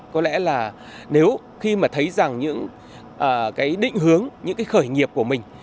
có lẽ là nếu khi mà thấy rằng những cái định hướng những cái khởi nghiệp của mình